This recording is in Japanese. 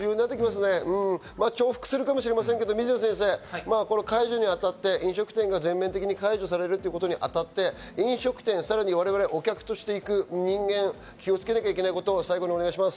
重複するかもしれませんけど、水野先生、解除に当たって飲食店が全面的に解除されるということに当たって、飲食店、さらに我々お客として行く人間が気をつけなきゃいけないことを最後にお願いします。